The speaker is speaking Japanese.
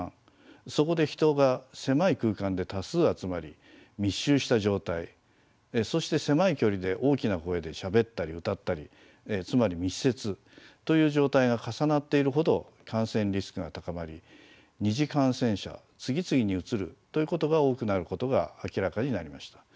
そこで人が狭い空間で多数集まり密集した状態そして狭い距離で大きな声でしゃべったり歌ったりつまり密接という状態が重なっているほど感染リスクが高まり二次感染者次々にうつるということが多くなることが明らかになりました。